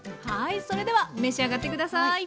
はいそれでは召し上がって下さい！